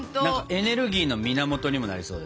エネルギーの源にもなりそうだしね。